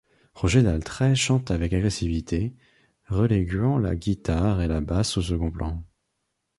Roger Daltrey chante avec agressivité, reléguant la guitare et la basse au second plan.